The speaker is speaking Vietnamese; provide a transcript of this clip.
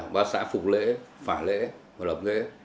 ba xã phục lễ phả lễ và lập lễ